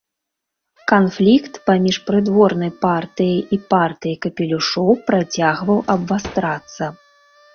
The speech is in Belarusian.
Канфлікт паміж прыдворнай партыяй і партыяй капелюшоў працягваў абвастрацца.